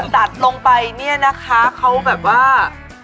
ตัดลงไปเนี่ยนะคะเขาแบบว่า